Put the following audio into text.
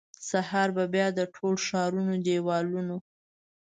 سهار به بیا د ټول ښارونو دیوالونه،